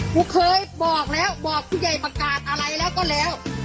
กูเคยบอกแล้วบอกผู้ใหญ่ประกาศอะไรแล้วก็แล้ว